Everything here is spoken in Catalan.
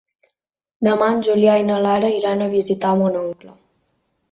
Demà en Julià i na Lara iran a visitar mon oncle.